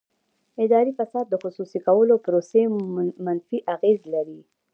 اداري فساد د خصوصي کولو پروسې منفي اغېز لري.